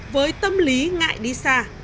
với tâm lý ngại đi xa